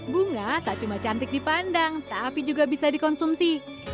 bunga tak cuma cantik dipandang tapi juga bisa dikonsumsi